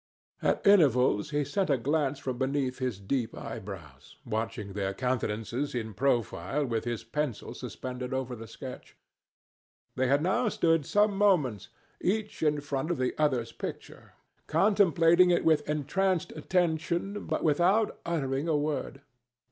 At intervals he sent a glance from beneath his deep eyebrows, watching their countenances in profile with his pencil suspended over the sketch. They had now stood some moments, each in front of the other's picture, contemplating it with entranced attention, but without uttering a word.